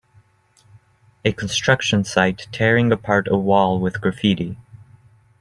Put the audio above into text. A construction site tearing apart a wall with graffiti